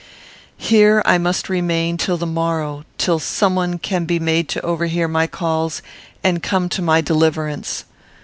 Here I must remain till the morrow; till some one can be made to overhear my calls and come to my deliverance.